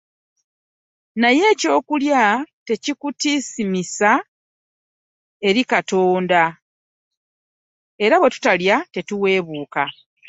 Naye ekyokulya tekitusiimisa eri Katonda era bwe tutalya tetuweebuuka.